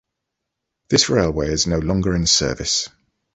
This railway is no longer in service.